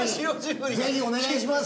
ぜひぜひお願いします！